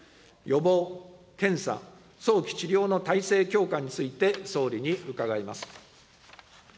予防・検査・早期治療の体制強化について、総理に伺います。